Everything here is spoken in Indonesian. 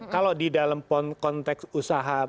kalau di dalam konteks usaha